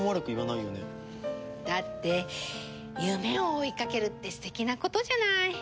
だって夢を追いかけるって素敵なことじゃない。